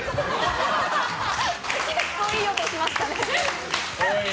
結構いい音しましたね。